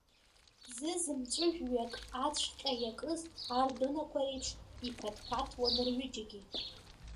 Зызымҵәыжәҩак ацәҟьа иакыз ардәынақәа реиԥш, иԥаҭ-ԥаҭуан рҩыџегьы.